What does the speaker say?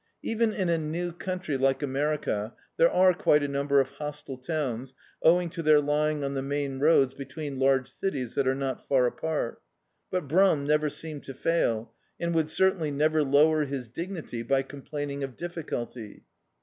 Even in a new country like America, there are quite a number of hostile towns, owing to their lying on the main roads between large cities that are not far apart; but Brum never seemed to fail, and would certainly never lower his dignity by complaining of difficulty.